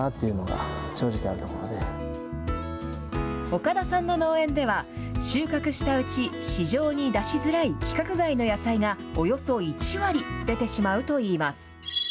岡田さんの農園では、収穫したうち、市場に出しづらい規格外の野菜が、およそ１割出てしまうといいます。